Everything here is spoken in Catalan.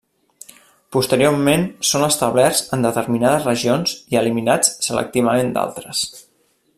Posteriorment són establerts en determinades regions i eliminats selectivament d'altres.